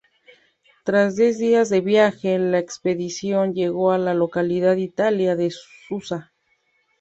Tras diez días de viaje, la expedición llegó a la localidad italiana de Susa.